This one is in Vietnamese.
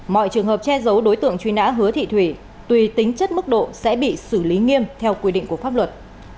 mọi trường hợp che giấu đối tượng truy nã hứa thị thủy tùy tính chất mức độ sẽ bị xử lý nghiêm theo quy định của pháp luật